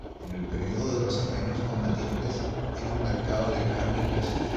En el período de los Reinos combatientes, era un mercado de carne y quesos.